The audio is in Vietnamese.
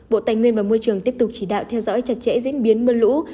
bộ tài nguyên và môi trường tiếp tục chỉ đạo theo dõi chặt chẽ diễn biến mưa lũ